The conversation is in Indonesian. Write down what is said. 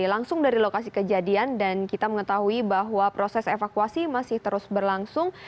langsung dari lokasi kejadian dan kita mengetahui bahwa proses evakuasi masih terus berlangsung